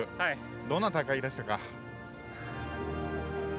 どんな戦いでしたか？